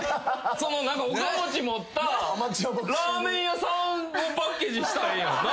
その何か岡持ち持ったラーメン屋さんのパッケージにしたらええやん。